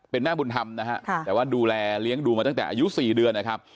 เป็นหน้าบุญธรรมแต่ว่าดูแลเลี้ยงดูมาตั้งแต่อายุ๔เดือน